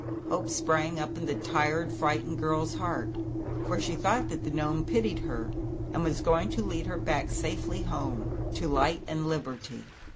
Hope sprang up in the tired fright ened girl's heart, for she thought that the Gnome pitied her, and was going to lead her back safely home, to light and liberty.